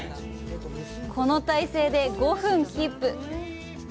この体勢で５分キープ。